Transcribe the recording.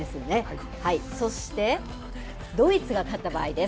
そして、ドイツが勝った場合です。